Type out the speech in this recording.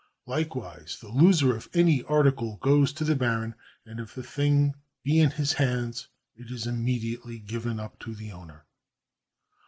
Likewise the loser of any article goes to the baron, and if the thing be in his hands, it is immediately given up to the owner.